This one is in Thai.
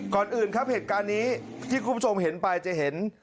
ก่อนอื่นครับเหตุการณ์นี้ที่คุณผู้ชมเห็นไปจะเห็น